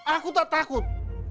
aku tak takut